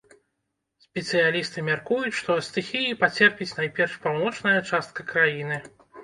Спецыялісты мяркуюць, што ад стыхіі пацерпіць найперш паўночная частка краіны.